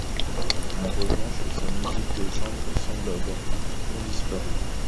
En revanche, sa musique de chambre semble avoir pratiquement disparu.